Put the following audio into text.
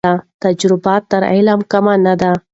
تجربه تر علم کمه نه ده.